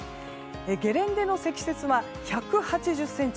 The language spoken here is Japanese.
ゲレンデの積雪は１８０ｃｍ。